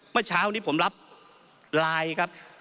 เมื่อเช้านี้ผมรับไลน์ครับ